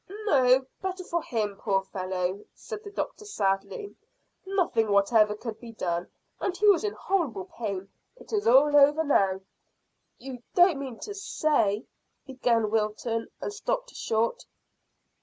"No: better for him, poor fellow," said the doctor sadly. "Nothing whatever could be done, and he was in horrible pain. It is all over now." "You don't mean to say " began Wilton, and stopped short.